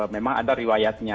memang ada riwayatnya